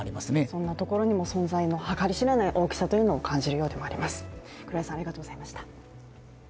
そんなところにも存在の計り知れない大きさを感じるようでもあります。